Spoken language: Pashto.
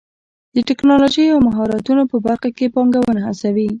د ټکنالوژۍ او مهارتونو په برخه کې پانګونه هڅوي.